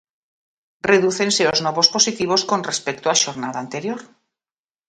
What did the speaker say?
Redúcense os novos positivos con respecto á xornada anterior.